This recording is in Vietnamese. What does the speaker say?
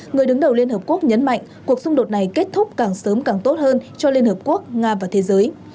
người đứng đầu liên hợp quốc nhấn mạnh cuộc xung đột này kết thúc càng sớm càng tốt hơn cho liên hợp quốc nga và thế giới